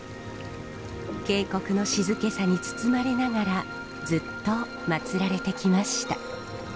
渓谷の静けさに包まれながらずっと祭られてきました。